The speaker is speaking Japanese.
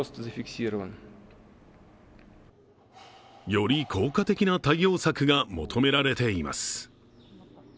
より効果的な対応策が求められています。